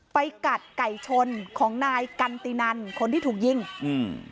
ไปกัดไก่ชนของนายกันตินันคนที่ถูกยิงอืม